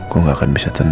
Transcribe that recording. gue gak akan bisa tenang